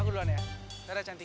aku duluan ya dadah cantik